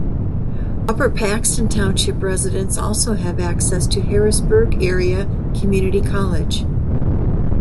Upper Paxton Township residents also have access to Harrisburg Area Community College.